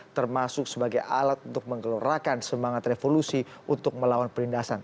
termasuk sebagai alat untuk menggelorakan semangat revolusi untuk melawan perindasan